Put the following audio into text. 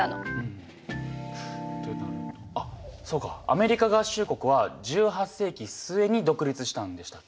アメリカ合衆国は１８世紀末に独立したんでしたっけ。